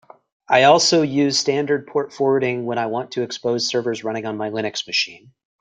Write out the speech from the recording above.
I also use standard port forwarding when I want to expose servers running on my Linux machine.